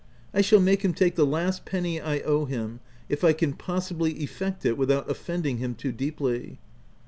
— I shall make him take the last penny I owe him, if I can possibly effect it without offending him too deeply.